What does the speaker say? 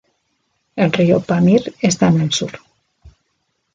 El río Pamir está en el sur.